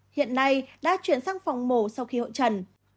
hiện nay đã chuyển sang phòng mổ sau khi hội trần